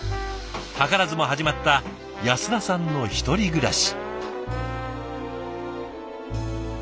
図らずも始まった安田さんの１人暮らし。